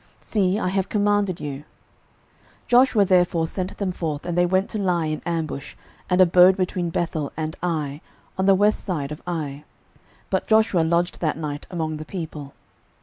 See, I have commanded you. 06:008:009 Joshua therefore sent them forth: and they went to lie in ambush, and abode between Bethel and Ai, on the west side of Ai: but Joshua lodged that night among the people.